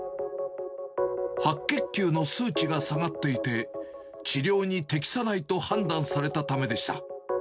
白血球の数値が下がっていて、治療に適さないと判断されたためでした。